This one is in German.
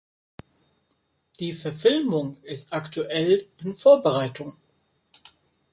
Die Verfilmung ist aktuell in Vorbereitung.